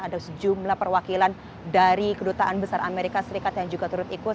ada sejumlah perwakilan dari kedutaan besar amerika serikat yang juga turut ikut